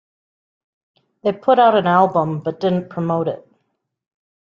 They put out an album but didn't promote it.